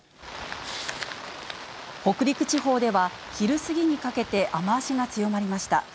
北陸地方では、昼過ぎにかけて雨足が強まりました。